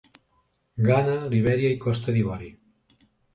Ghana, Libèria i la Costa d'Ivori.